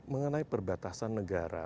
mengenai perbatasan negara